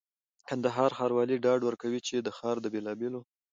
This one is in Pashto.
کندهار ښاروالي ډاډ ورکوي چي د ښار د بېلابېلو